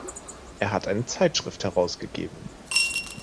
Er hat eine Zeitschrift herausgegeben.